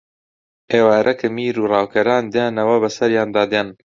ئێوارە کە میر و ڕاوکەران دێنەوە بەسەریاندا دێن